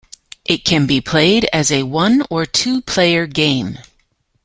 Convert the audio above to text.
It can be played as a one or two player game.